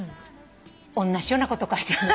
おんなじようなこと書いてた。